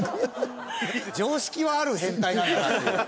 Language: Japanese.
常識はある変態なんだなっていう。